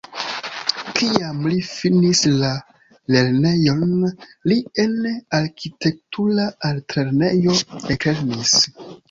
Kiam li finis la lernejon li en arkitektura altlernejo eklernis.